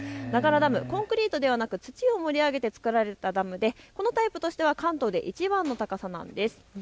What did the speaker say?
コンクリートではなく土を盛り上げて造られたダムでこのタイプでは関東でいちばんの高さなんです。